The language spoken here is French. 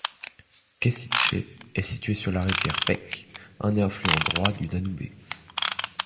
Kusiće est situé sur la rivière Pek, un affluent droit du Danube.